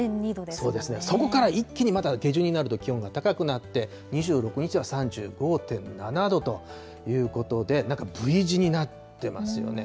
そうですね、そこから一気に、また下旬になると気温が高くなって、２６日は３５．７度ということで、なんかＶ字になってますよね。